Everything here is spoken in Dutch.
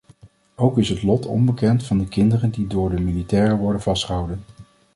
Ook is het lot onbekend van de kinderen die door de militairen worden vastgehouden.